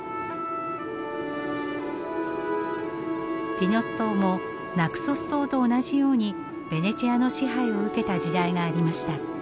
ティノス島もナクソス島と同じようにベネチアの支配を受けた時代がありました。